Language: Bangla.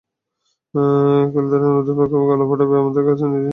ক্যালদেরন ওদের পক্ষে গলা ফাটাবে, আমাদের নিজেদের শতভাগ ঢেলে দিতে হবে।